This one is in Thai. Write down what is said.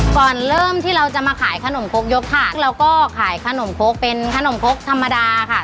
ก่อนเริ่มที่เราจะมาขายขนมคกยกถากเราก็ขายขนมคกเป็นขนมคกธรรมดาค่ะ